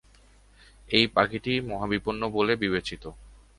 এই পাখিটি মহাবিপন্ন বলে বিবেচিত।